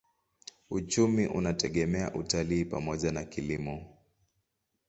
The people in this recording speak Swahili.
Uchumi unategemea utalii pamoja na kilimo.